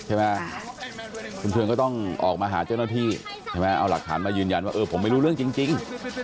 ใช่ไหมคุณเทิงก็ต้องออกมาหาเจ้าหน้าที่ใช่ไหมเอาหลักฐานมายืนยันว่าเออผมไม่รู้เรื่องจริง